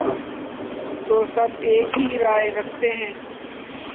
تو سب ایک ہی رائے رکھتے ہیں۔